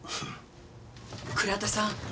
倉田さん！